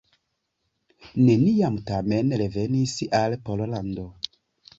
Neniam tamen revenis al Pollando.